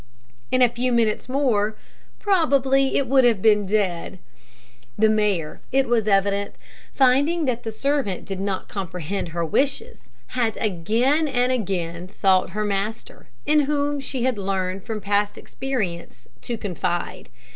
In a few minutes more probably it would have been dead. The mare, it was evident, finding that the servant did not comprehend her wishes, had again and again sought her master, in whom she had learned from past experience to confide.